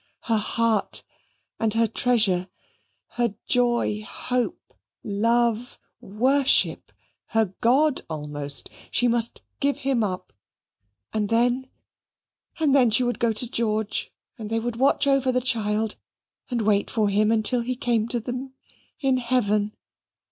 Her heart and her treasure her joy, hope, love, worship her God, almost! She must give him up, and then and then she would go to George, and they would watch over the child and wait for him until he came to them in Heaven.